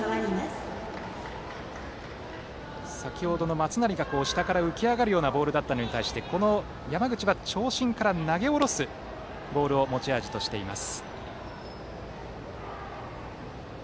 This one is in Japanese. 先程の松成が、下から浮き上がるボールだったのに対して山口は長身から投げ下ろすボールを、持ち味としています。